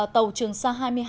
tàu trường sa hai mươi hai